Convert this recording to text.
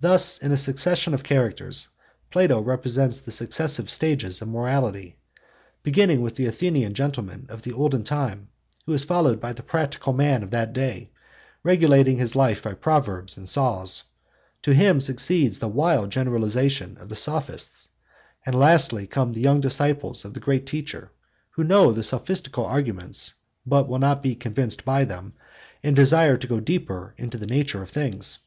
Thus in a succession of characters Plato represents the successive stages of morality, beginning with the Athenian gentleman of the olden time, who is followed by the practical man of that day regulating his life by proverbs and saws; to him succeeds the wild generalization of the Sophists, and lastly come the young disciples of the great teacher, who know the sophistical arguments but will not be convinced by them, and desire to go deeper into the nature of things.